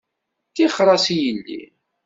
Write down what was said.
Tixer-as i yelli